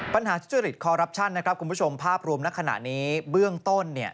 ทุจริตคอรัปชั่นนะครับคุณผู้ชมภาพรวมนักขณะนี้เบื้องต้นเนี่ย